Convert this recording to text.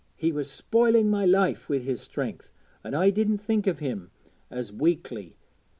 He was spoiling my life wi' his strength, an' I didn't think o' him as weakly.